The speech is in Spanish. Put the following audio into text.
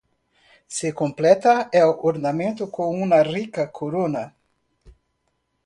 Se completa el ornamento con una rica corona.